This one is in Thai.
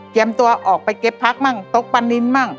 เกียรตัวพกออกไปเก็บพักบ้างตกปานินบ้าง